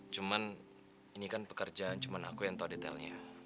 cuman ini kan pekerjaan cuman aku yang tau detailnya